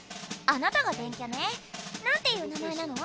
あなたが電キャね。なんていう名前なの？